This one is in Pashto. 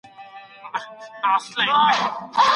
ښوونکی زدهکوونکي هڅوي چې د خپلو موخو لپاره کار وکړي.